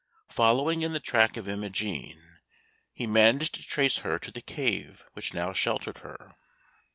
Following in the track of Imogen, he managed to trace her to the cave which now sheltered her.